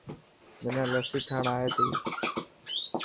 منا لسي ٺاهڻ آي تي.